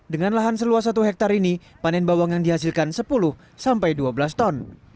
dengan lahan seluas satu hektare ini panen bawang yang dihasilkan sepuluh sampai dua belas ton